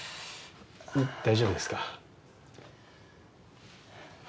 大丈夫ですか？